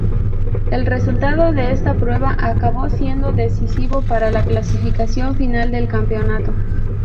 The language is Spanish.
El resultado de esta prueba acabó siendo decisivo para la clasificación final del campeonato.